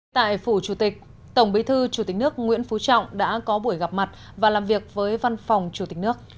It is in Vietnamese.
tại phủ chủ tịch tổng bí thư chủ tịch nước nguyễn phú trọng đã có buổi gặp mặt và làm việc với văn phòng chủ tịch nước